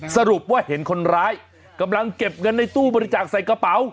สรุปว่าเห็นคนร้ายกำลังเก็บเงินในตู้บริจาคใส่กระเป๋า